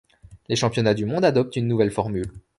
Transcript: Les championnats du monde adoptent une nouvelle formule.